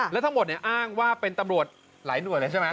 แล้วทั้งหมดเนี่ยอ้างว่าเป็นตำรวจหลายหน่วยเลยใช่ไหม